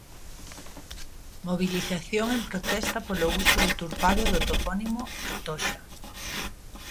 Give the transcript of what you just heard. Mobilización en protesta polo uso deturpado do topónimo A Toxa.